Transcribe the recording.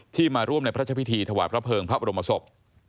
มาร่วมในพระราชพิธีถวายพระเภิงพระบรมศพ